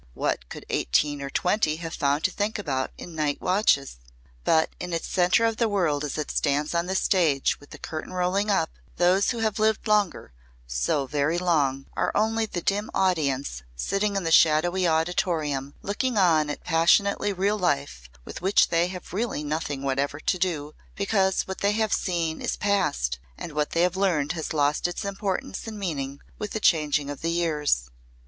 What could eighteen or twenty have found to think about in night watches? But in its centre of the world as it stands on the stage with the curtain rolling up, those who have lived longer so very long are only the dim audience sitting in the shadowy auditorium looking on at passionately real life with which they have really nothing whatever to do, because what they have seen is past and what they have learned has lost its importance and meaning with the changing of the years.